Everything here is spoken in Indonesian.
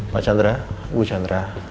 pak chandra bu chandra